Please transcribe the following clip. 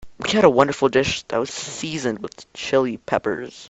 We had a wonderful dish that was seasoned with Chili Peppers.